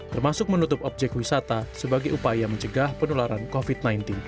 termasuk menutup objek wisata sebagai upaya mencegah penularan covid sembilan belas